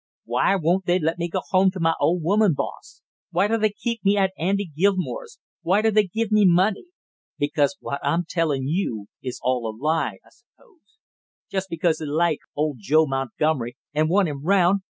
"Why won't they let me go home to my old woman, boss? Why do they keep me at Andy Gilmore's why do they give me money? Because what I'm tellin' you is all a lie, I suppose! Just because they like old Joe Montgomery and want him 'round!